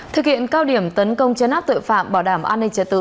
thực hiện cao điểm tấn công chấn áp tội phạm bảo đảm an ninh trật tự